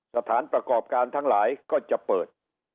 สถานประกอบการทั้งหลายก็จะเปิด